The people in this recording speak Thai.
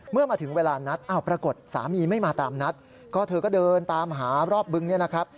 เมื่อมาถึงเวลานัดอ้าวปรากฏสามีไม่มาตามนัดก็เธอก็เดินตามหารอบบึงเนี่ยนะครับ